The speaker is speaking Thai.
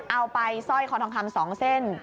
เอาไปสร้อยคอทองคำ๒เส้น